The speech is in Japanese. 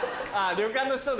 旅館の人で。